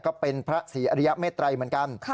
ก็เป็นพระศรีอริยเมตรัยเหมือนกัน